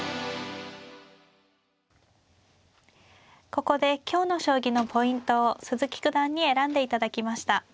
ここで今日の将棋のポイントを鈴木九段に選んでいただきました。